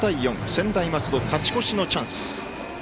専大松戸、勝ち越しのチャンス。